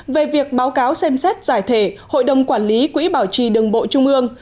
về việc báo cáo xem xét giải thể hội đồng quản lý quỹ bảo trì đường bộ trung ương